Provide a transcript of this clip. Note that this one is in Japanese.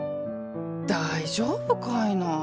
大丈夫かいな。